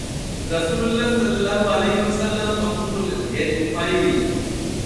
রাসূলুল্লাহ সাল্লাল্লাহু আলাইহি ওয়াসাল্লাম তখন বললেন, হে তুফাইল!